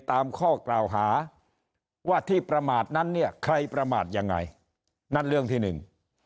ตามข้อกล่าวหาว่าที่ประมาทนั้นเนี่ยใครประมาทยังไงนั่นเรื่องที่หนึ่ง